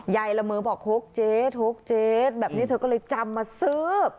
ละเมอบอกหกเจ๊หกเจ๊แบบนี้เธอก็เลยจำมาซื้อ